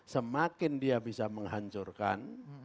semakin dia bisa menghancurkan